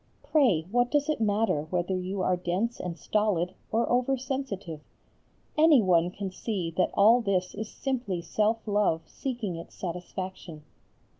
Pray what does it matter whether you are dense and stolid or over sensitive? Any one can see that all this is simply self love seeking its satisfaction.